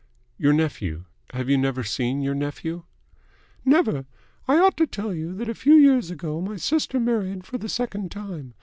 "Your nephew? Have you never seen your nephew?" "Never. I ought to tell you, that a few years ago my sister married for the second time.